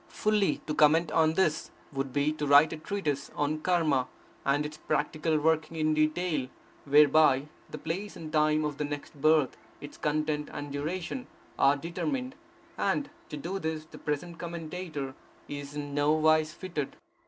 Fully to comment on this, would be to write a treatise on Karma and its practical working in detail, whereby the place and time of the next birth, its content and duration, are determined; and to do this the present commentator is in no wise fitted.